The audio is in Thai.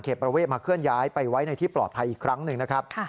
ประเวทมาเคลื่อนย้ายไปไว้ในที่ปลอดภัยอีกครั้งหนึ่งนะครับ